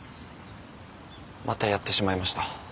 またやってしまいました。